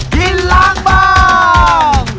กินล้างบาง